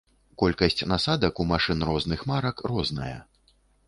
Колькасць насадак у машын розных марак розная.